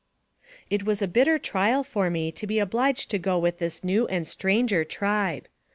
It was a bitter trial for me to be obliged to go with this new and stranger tribe.